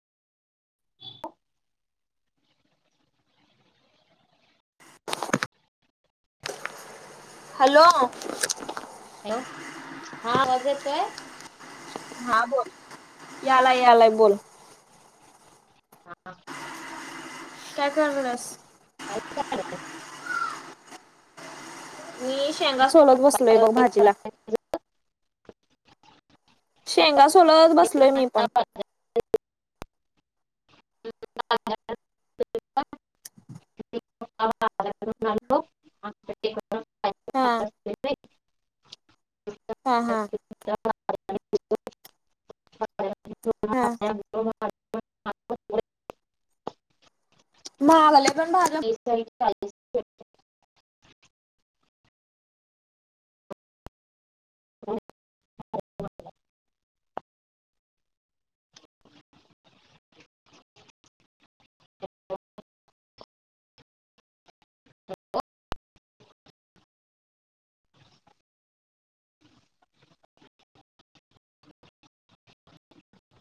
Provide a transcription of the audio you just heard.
[inaudible] Hello. Hello. हा, आवाज येतोय? हा, बोल. यालाय, यालाय. बोल. हा. काय, करालास? काय, करालास? मी शेंगा सोलत बसलोय, बघ. भाजीला. शेंगा सोलत बसलोय मी पण. काल बाजारात्न घेऊन आलतो म्हटलं की [unintelligible] म्हणून [inaudible] हा. हा- हा. [unintelligible] हा आणि आणतो [unintelligible] मागल्या पण भाज्या [unintelligible] [unintelligible]